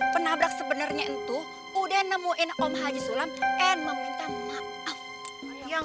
penabrak sebenarnya itu udah nemuin om haji sulam n meminta maaf yang